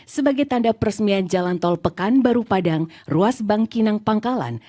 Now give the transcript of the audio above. sebagai tanda peresmian jalan tol pekanbaru padang ruas bangkinang pangkalan